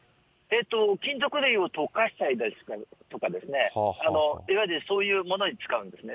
金属類を溶かしたりとかですね、いわゆるそういうものに使うんですね。